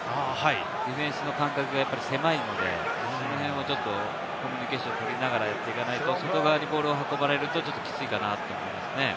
ディフェンスの間隔が狭いのでその辺をちょっとコミュニケーション取りながらやっていかないと、外側にボールを運ばれるとちょっときついかなと思いますね。